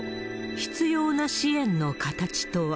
必要な支援の形とは。